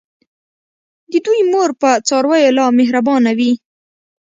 د دوی مور په څارویو لا مهربانه وي.